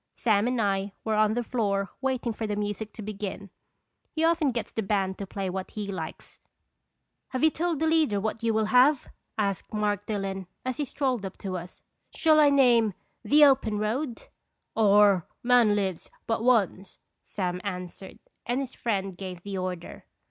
Sam and I were on the floor waiting for the music to begin. He often gets the band to play what he likes. " Have you told the leader what you will have?" asked Mark Dillon, as he strolled up to us. " Shall I name ' The Open Road* ?" /'Or 'Man lives but once,'" Sam an swered, and his friend gave the order.